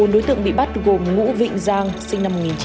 bốn đối tượng bị bắt gồm ngũ vịnh giang sinh năm một nghìn chín trăm tám mươi